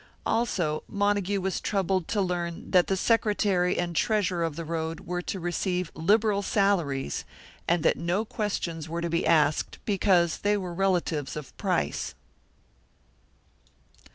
Also Montague was troubled to learn that the secretary and treasurer of the road were to receive liberal salaries, and that no questions were to be asked, because they were relatives of Price.